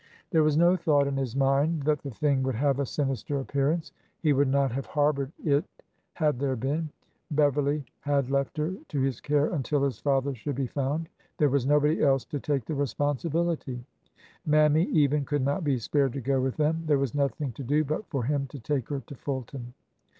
There was no thought in his mind that the thing would have a sinister appearance, — he would not have harbored it had there been. Beverly had left her to his care until his father should be found. There was nobody else, to take the responsibility. Mammy, even, could not be spared to go with them. There was nothing to do but for him to take her to Fulton.